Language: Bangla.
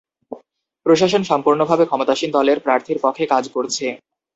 প্রশাসন সম্পূর্ণভাবে ক্ষমতাসীন দলের প্রার্থীর পক্ষে কাজ করছে।